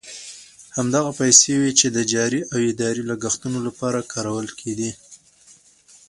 همدغه پیسې وې چې د جاري او اداري لګښتونو لپاره کارول کېدې.